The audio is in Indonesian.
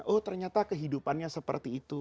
oh ternyata kehidupannya seperti itu